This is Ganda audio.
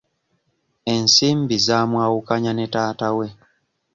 Ensimbi zamwawukanya ne taata we.